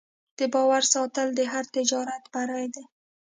د باور ساتل د هر تجارت بری دی.